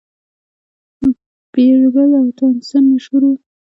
بیربل او تانسن مشهور وو.